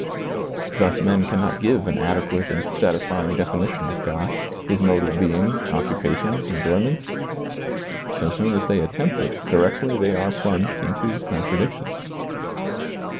Thus men cannot give an adequate and satisfying definition of God, His mode of being, occupations, enjoy ments ; so soon as they attempt it, directly they are plunged into contradictions.